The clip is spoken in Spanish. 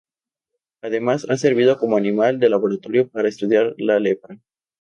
Además ha servido como animal de laboratorio para estudiar la lepra.